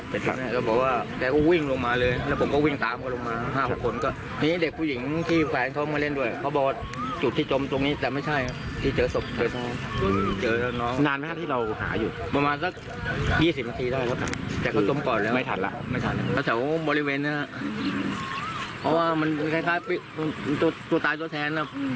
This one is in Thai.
เพราะว่ามันคล้ายตัวตายตัวแทน